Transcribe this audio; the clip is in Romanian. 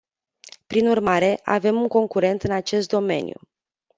Prin urmare, avem un concurent în acest domeniu.